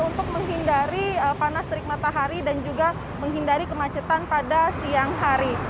untuk menghindari panas terik matahari dan juga menghindari kemacetan pada siang hari